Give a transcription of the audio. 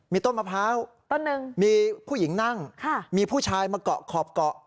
มีผู้หญิงนั่งมีผู้ชายมาเกาะครอบเกาะ